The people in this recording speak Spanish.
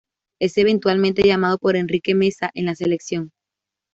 Es eventualmente llamado por Enrique Meza en la selección.